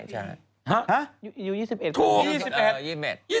ห๊ะอยู่๒๑ปี